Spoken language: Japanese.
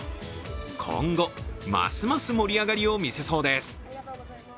今後ますます盛り上がりを見せそうです。